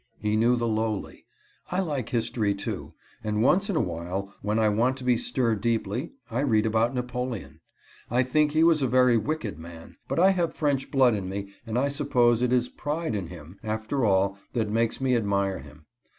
He knew the lowly. I like history, too, and once in a while, when I want to be stirred deeply, I read about Napoleon. I think he was a very wicked man, but I have French blood in me, and I suppose it is pride in him, after all, that makes me admire him.